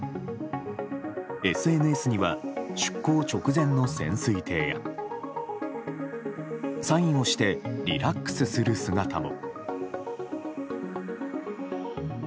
ＳＮＳには出航直前の潜水艇やサインをしてリラックスする姿も。